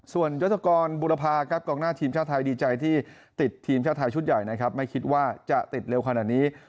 ส่วนยศกรบุรพาครับกองหน้าทีมชาติไทยดีใจที่ติดทีมชาติไทยชุดใหญ่นะครับไม่คิดว่าจะติดเร็วขนาดนี้